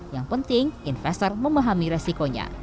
yang penting investor memahami resikonya